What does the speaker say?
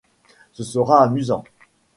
Ce sera amusant.